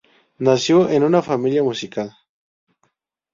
Nació en una familia musical.